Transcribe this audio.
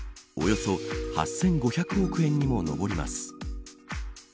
およそ８５００億円にも上ります。